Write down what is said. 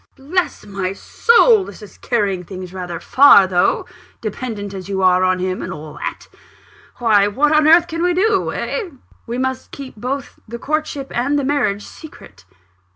"Bless my soul! this is carrying things rather far, though dependent as you are on him, and all that. Why, what on earth can we do eh?" "We must keep both the courtship and the marriage secret."